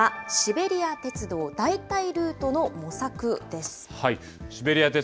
けさは、シベリア鉄道代替ルートの模索です。